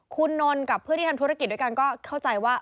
คุณนนท์กับเพื่อนที่ทำธุรกิจด้วยกันก็เข้าใจว่า